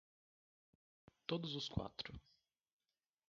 Todos os quatro